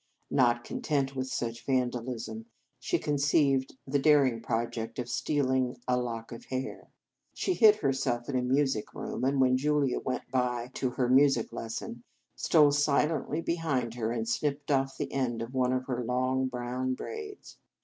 Not content with such vandalism, she conceived the daring project of stealing a lock of hair. She hid herself in a music room, and, when Julia went by to her music les son, stole silently behind her, and snipped off the end of one of her long brown braids.